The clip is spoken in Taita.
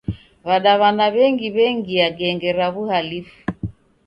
W'adaw'ana w'engi w'engia genge ra w'uhalifu.